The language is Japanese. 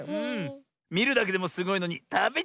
みるだけでもすごいのにたべちゃうなんてね！